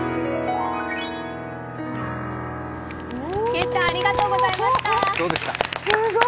けいちゃんありがとうございました。